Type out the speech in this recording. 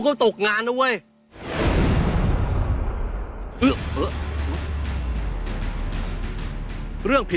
ก็หมายถึง๑เมื่อกี้